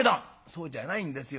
「そうじゃないんですよ。